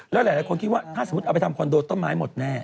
แล้วหลายคนคิดว่าถ้าสมมุติเอาไปทำคอนโดต้นไม้หมดแน่